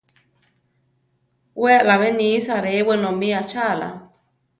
We alábe nisa re wenómi achála.